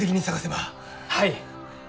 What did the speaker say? はい！